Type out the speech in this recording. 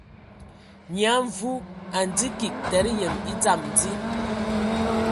Nyia Mvu a ndzi kig tǝdǝ yǝm e dzam dí.